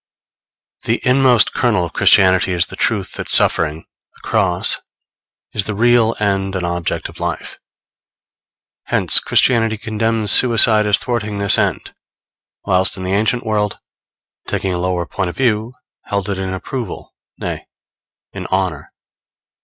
The inmost kernel of Christianity is the truth that suffering the Cross is the real end and object of life. Hence Christianity condemns suicide as thwarting this end; whilst the ancient world, taking a lower point of view, held it in approval, nay, in honor.